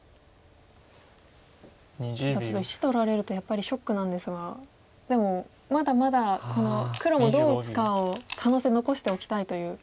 ただちょっと石取られるとやっぱりショックなんですがでもまだまだ黒もどう打つかを可能性残しておきたいという。